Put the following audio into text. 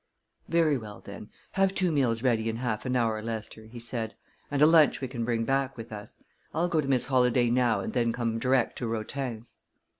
"Very well, then; have two meals ready in half an hour, Lester," he said, "and a lunch we can bring back with us. I'll go to Miss Holladay now, and then come direct to Rotin's."